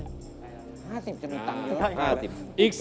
๔๐ใช่ไหม๕๐จะมีตังค์เยอะ